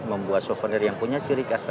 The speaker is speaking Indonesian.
membuat souvenir yang punya ciri khas